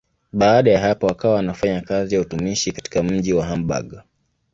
Baada ya hapo akawa anafanya kazi ya utumishi katika mji wa Hamburg.